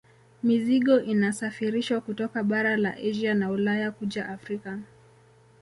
Mizigo inasafirishwa kutoka bara la Asia na Ulaya kuja Afrika